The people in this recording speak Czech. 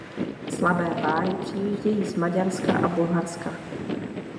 Slabé páry přijížděli z Maďarska a Bulharska.